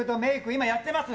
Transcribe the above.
今やってます。